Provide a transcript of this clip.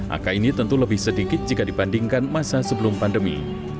angka ini tentu lebih sedikit jika dibandingkan masa sebelum pandemi